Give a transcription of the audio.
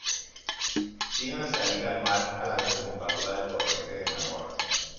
Tiene una salida al mar, a la desembocadura del torrente de Na Mora.